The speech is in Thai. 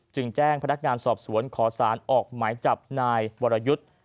แจ้งพนักงานสอบสวนขอสารออกหมายจับนายวรยุทธ์